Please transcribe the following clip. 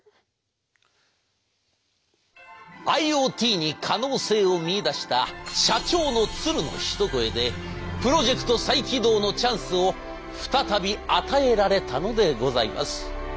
「ＩｏＴ」に可能性を見いだした社長の鶴の一声でプロジェクト再起動のチャンスを再び与えられたのでございます。